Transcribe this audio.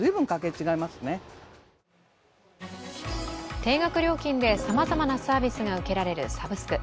定額料金でさまざまなサービスが受けられるサブスク。